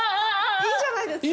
いいんじゃないですか？